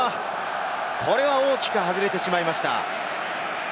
これは大きく外れてしまいました。